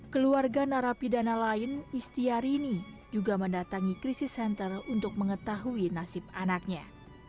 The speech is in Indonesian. keluarga narapidana lain istiari ini juga mendatangi crisis center untuk mengetahui nasib anaknya